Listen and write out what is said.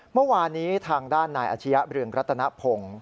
เมื่อวานนี้ทางด้านนายอาชียะเรืองรัตนพงศ์